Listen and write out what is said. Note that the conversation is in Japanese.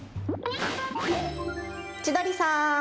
千鳥さん